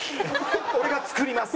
俺が作ります。